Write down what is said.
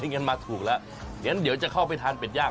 งั้นมาถูกแล้วงั้นเดี๋ยวจะเข้าไปทานเป็ดย่าง